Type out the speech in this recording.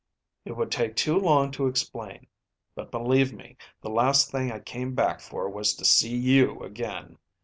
"It would take too long to explain. But believe me, the last thing I came back for was to see you again."